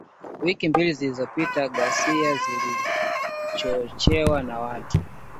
Wiki mbili zilizopita ghasia zilizochochewa na watu